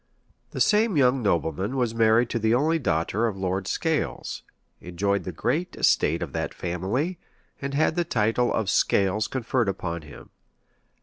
[] The same young nobleman was married to the only daughter of Lord Scales, enjoyed the great estate of that family, and had the title of Scales conferred upon him.